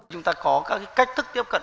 chúng ta có các cách thức tiếp cận